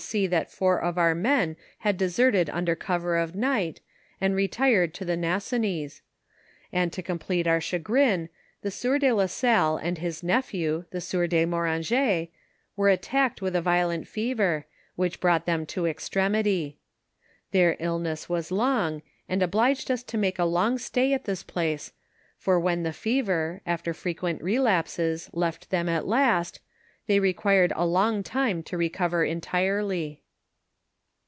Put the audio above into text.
to Bee that four of our men had deeerted under cover of night, and retired to the Nassonis ; and, to complete our chagrin, the sienr de la 8a1Ie and his nephew, the sieur de Moranget, were attacked with a violent fever, which brought them to extremity. Their illness was long, and obliged us to make a long stay at this place, for when the fever, after frequent re lapses, left them at last, they required a long time to recover entirely.